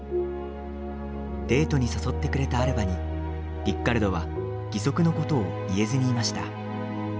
デートに誘ってくれたアルバにリッカルドは、義足のことを言えずにいました。